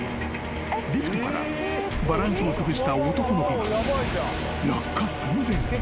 ［リフトからバランスを崩した男の子が］